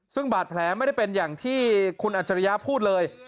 ซึ่งบาดแผลไม่ได้เป็นอย่างที่คุณอัจฉริยะพูดเลย